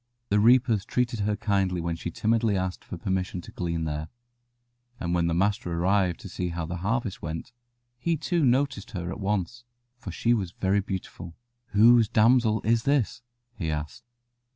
The reapers treated her kindly when she timidly asked for permission to glean there, and when the master arrived to see how the harvest went, he too noticed her at once, for she was very beautiful. "Whose damsel is this?" he asked.